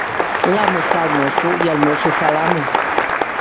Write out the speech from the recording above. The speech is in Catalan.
L'amo fa el mosso i el mosso fa l'amo.